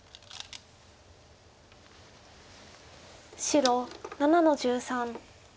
白７の十三。